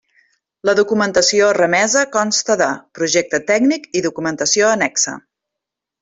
La documentació remesa consta de: projecte tècnic i documentació annexa.